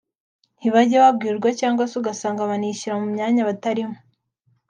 ntibajya babwirwa cyangwa se ugasanga banishyira mu mwanya batarimo